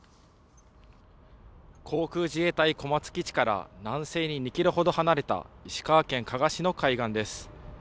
航空自衛隊小松基地から南西に２キロほど離れた石川県加賀市の海岸です。